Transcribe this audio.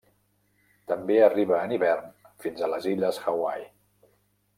També arriba en hivern fins a les illes Hawaii.